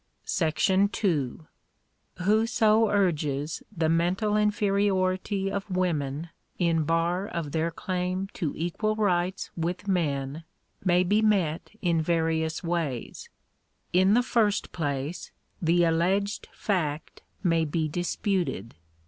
Digitized by VjOOQIC THE RIGHTS OF WOMEN. 157 Whoso urges the mental inferiority of women in bar of their claim to equal rights with men, may be met in various ways. In the first place, the alleged fact may be disputed.